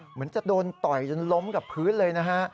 เหมือนจะโดนต่อยจนล้มกับพื้นเลยนะฮะ